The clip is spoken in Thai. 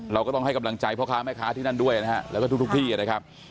เราก็ต้องให้กำลังใจพ่อค้าแม่ค้าที่นั่นด้วยนะฮะแล้วก็ทุกที่นะครับ